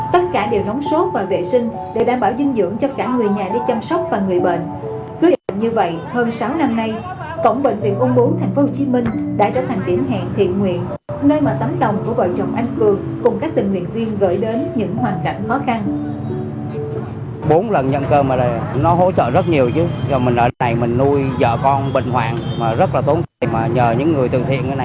tất cả đều nóng sốt và vệ sinh để đảm bảo dinh dưỡng cho cả người nhà đi chăm sóc và người bệnh